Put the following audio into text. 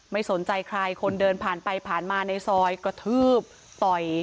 ไม่สนใจใครคนเดินผ่านไปผ่านมาในซอยกระทืบต่อย